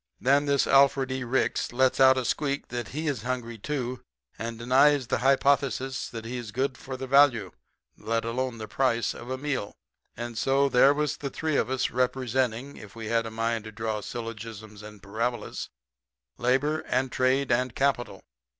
"Then this Alfred E. Ricks lets out a squeak that he is hungry, too, and denies the hypothesis that he is good for the value, let alone the price, of a meal. And so, there was the three of us, representing, if we had a mind to draw syllogisms and parabolas, labor and trade and capital.